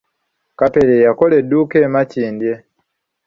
Kapere, yakola edduuka e Makindye.